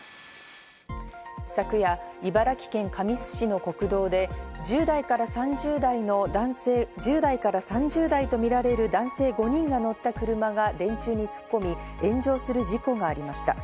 昨夜、茨城県神栖市の国道で１０代から３０代とみられる男性が乗った車が電柱に突っ込み、炎上する事故がありました。